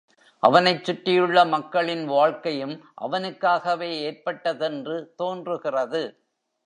அவனைச் சுற்றியுள்ள மக்களின் வாழ்க்கையும் அவனுக்காகவே ஏற்பட்டதென்று தோன்றுகிறது.